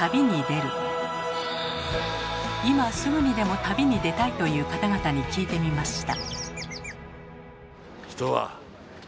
今すぐにでも旅に出たいという方々に聞いてみました。